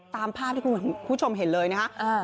ตามภาพที่คุณผู้ชมเห็นเลยนะฮะ